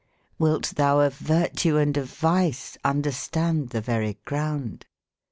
iHilt tbou of vertue and of vice, under stande tbe very grounde ?